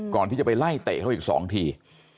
ก่อนที่จะไปไล่เตะเขาอีก๒ที